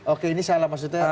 oke ini salah maksudnya